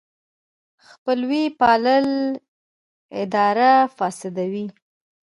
خپلوي پالل اداره فاسدوي.